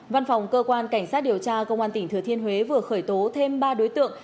văn phòng cơ quan cảnh sát điều tra công an tỉnh thừa thiên huế vừa khởi tố thêm ba đối tượng